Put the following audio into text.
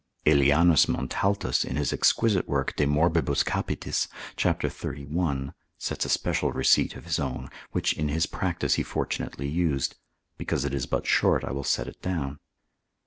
Aelianus Montaltus in his exquisite work de morb. capitis, cap. 31. de mel. sets a special receipt of his own, which, in his practice he fortunately used; because it is but short I will set it down.